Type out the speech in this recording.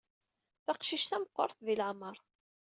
Taqcict-a meqqert di leɛmeṛ.